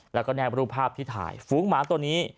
แล้วก็แนบรูปภาพที่ถ่ายฝูงหมาตัวนี้